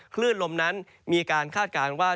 คลื่นลมนั้นมีการคาดการณ์ว่า